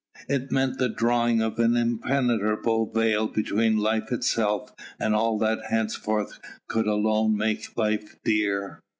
It meant the drawing of an impenetrable veil between life itself and all that henceforth could alone make life dear.